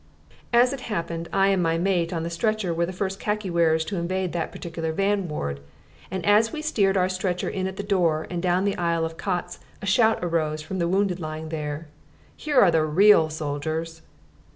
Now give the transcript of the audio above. As it happened, I and my mate on the stretcher were the first khaki wearers to invade that particular van ward. And as we steered our stretcher in at the door and down the aisle of cots a shout arose from the wounded lying there: "Here are some real soldiers!"